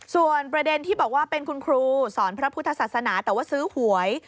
ส่วนประเด็นที่บอกว่าเป็นคุณครูสอนพระพุทธศาสนาแต่ว่าซื้อหวย